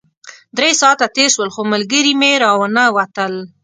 درې ساعته تېر شول خو ملګري مې راونه وتل.